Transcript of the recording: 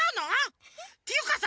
ていうかさ